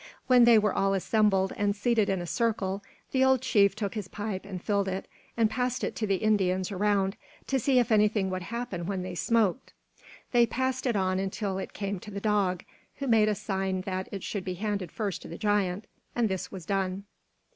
When they were all assembled and seated in a circle, the old chief took his pipe and filled it, and passed it to the Indians around, to see if anything would happen when they smoked. They passed it on until it came to the Dog, who made a sign that it should be handed first to the giant, and this was done.